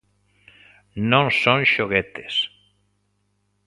Non son xoguetes.